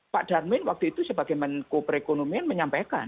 pak darmin waktu itu sebagai menko perekonomian menyampaikan